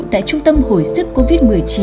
tại trung tâm hồi sức covid một mươi chín